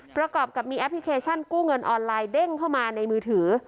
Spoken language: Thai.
ประกอบกับมีแอปพลิเคชันกู้เงินออนไลน์เด้งเข้ามาในมือถือ